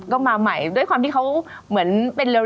พื้นที่ไปแล้วแล้วก็มาใหม่ด้วยความที่เขาเหมือนเป็น